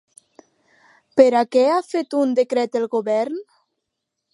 Per a què ha fet un decret el govern?